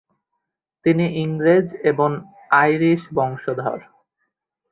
তিনি ইংরেজ এবং আইরিশ বংশধর।